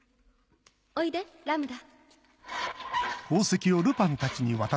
おいでラムダ。